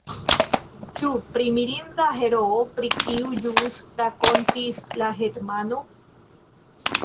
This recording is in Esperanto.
Ĉu pri mirinda heroo, pri kiu ĵus rakontis la hetmano?